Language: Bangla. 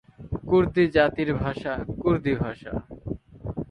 কুর্দি জাতির ভাষা ‘কুর্দি ভাষা’।